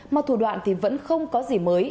mà thủ đoạn thì vẫn không có gì mới